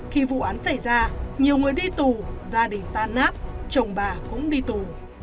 khi vụ án xảy ra nhiều người đi tù gia đình tan nát chồng bà cũng đi tù